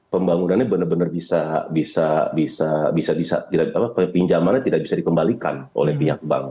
pembangunannya benar benar bisa bisa bisa bisa pinjamannya tidak bisa dikembalikan